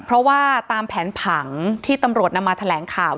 เพราะว่าตามแผนผังที่ตำรวจนำมาแถลงข่าว